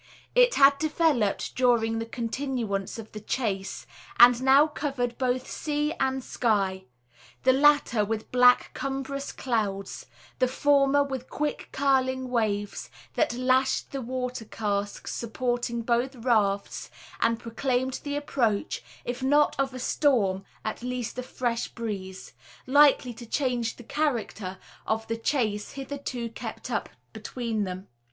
It had developed during the continuance of the chase, and now covered both sea and sky, the latter with black cumbrous clouds, the former with quick curling waves, that lashed the water casks supporting both rafts, and proclaimed the approach, if not of a storm, at least a fresh breeze, likely to change the character of the chase hitherto kept up between them.